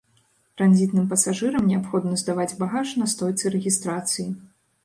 Транзітным пасажырам неабходна здаваць багаж на стойцы рэгістрацыі.